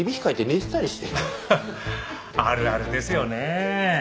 ハハッあるあるですよね。